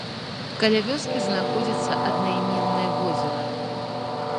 Каля вёскі знаходзіцца аднайменнае возера.